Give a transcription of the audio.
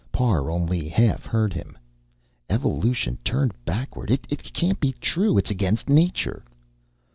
Parr only half heard him. "Evolution turned backward it can't be true. It's against nature."